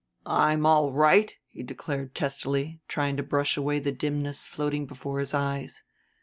"I'm all right," he declared testily, trying to brush away the dimness floating before his eyes.